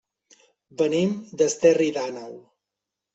Venim d'Esterri d'Àneu.